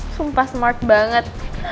sumpah smart banget